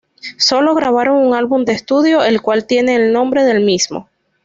Sólo grabaron un álbum de estudio, el cual tiene el nombre del mismo.